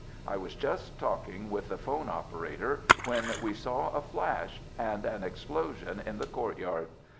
I was just talking with the phone operator when we saw a flash — and an explosion in the courtyard